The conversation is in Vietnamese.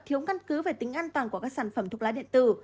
thiếu căn cứ về tính an toàn của các sản phẩm thuốc lá điện tử